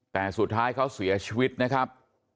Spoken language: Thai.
แต่สุดท้ายเขาเสียชีวิตนะครับ